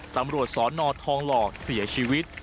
ตำรวจสนทองหล่อเสียชีวิต